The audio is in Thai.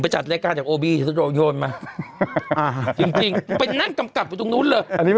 ไปจัดแรกาจากโอบีไปโยนมาจริงจริงตรงนู้นแหละอันนี้ไม่